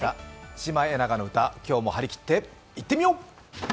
「シマエナガの歌」、今日もはりきっていってみよう！